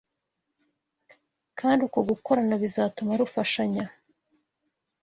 kandi uko gukorana bizatuma rufashanya